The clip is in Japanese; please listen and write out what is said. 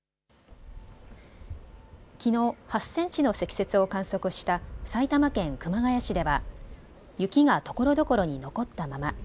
きのう８センチの積雪を観測した埼玉県熊谷市では雪がところどころに残ったまま。